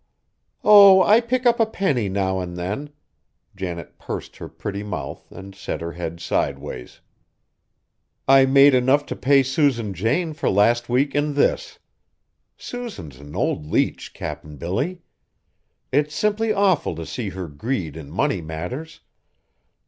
"Oh! I pick up a penny now and then;" Janet pursed her pretty mouth and set her head sideways. "I made enough to pay Susan Jane for last week and this. Susan's an old leech, Cap'n Billy. It's simply awful to see her greed in money matters.